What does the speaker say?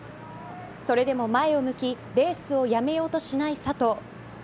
それでも前を向きレースをやめようとしない佐藤。